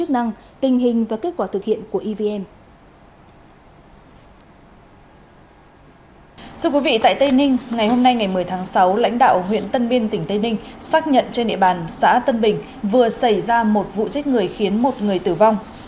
nay ngày một mươi tháng sáu lãnh đạo huyện tân biên tỉnh tây ninh xác nhận trên địa bàn xã tân bình vừa xảy ra một vụ giết người khiến một người tử vong